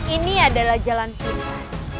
ini adalah jalan pintas